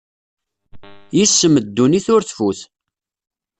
Yes-m dunnit ur tfut.